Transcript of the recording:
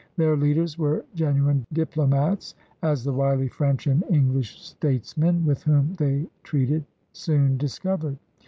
Their leaders were genuine diplomats, as the wily French and English statesmen with whom they treated soon discov ered.